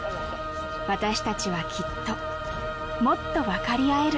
私たちはきっともっとわかり合える